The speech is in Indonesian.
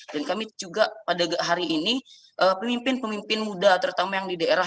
dan kami juga pada hari ini pemimpin pemimpin muda terutama yang di daerah